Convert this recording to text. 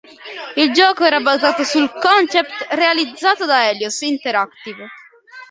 Il gioco era basato sul concept realizzato da Helios Interactive.